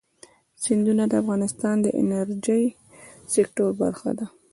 سیندونه د افغانستان د انرژۍ سکتور برخه ده.